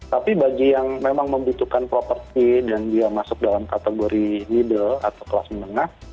tapi bagi yang memang membutuhkan properti dan dia masuk dalam kategori middle atau kelas menengah